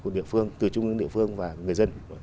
địa phương tùy chung với địa phương và người dân